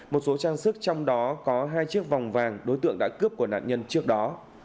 một số trang sức trong đó có hai chiếc vòng vàng đối tượng đã cướp của nạn nhân trước đó